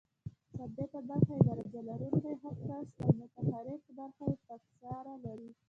ثابته برخه یې درجه لرونکی خط کش او متحرکه برخه یې فکسره لري.